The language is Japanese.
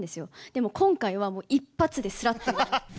でも今回は、一発ですらっと。